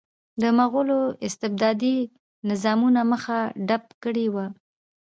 د مغولو استبدادي نظامونو مخه ډپ کړې وه.